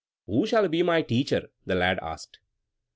"Who shall be my teacher?" the lad asked.